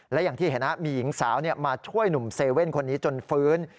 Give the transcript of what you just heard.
และอย่างที่เห็นมีหญิงสาวมาช่วยหนุ่มเซเว่นคนนี้จนฟื้น